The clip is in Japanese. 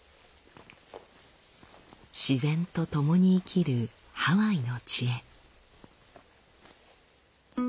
自然とともに生きるハワイの知恵。